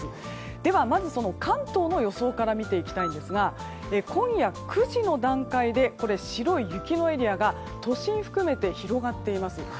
では、まず関東の予想から見ていきたいんですが今夜９時の段階で白い雪のエリアが都心を含めて広がっています。